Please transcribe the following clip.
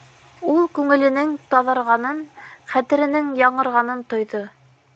Ул күңеленең таҙарғанын, хәтеренең яңырғанын тойҙо.